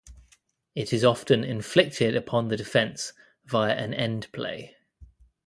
It is often inflicted upon the defence via an endplay.